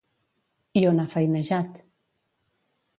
I on ha feinejat?